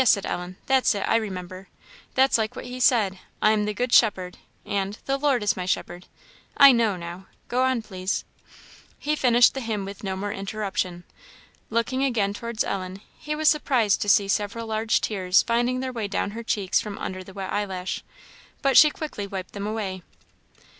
said Ellen; "that's it; I remember; that's like what he said 'I am the good shepherd,' and 'the Lord is my shepherd;' I know now. Go on, please." He finished the hymn without more interruption. Looking again towards Ellen, he was surprised to see several large tears finding their way down her cheeks from under the wet eyelash. But she quickly wiped them away.